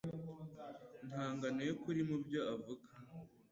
Nta ngano yukuri mubyo avuga